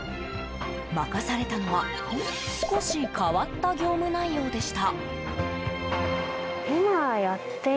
任されたのは少し変わった業務内容でした。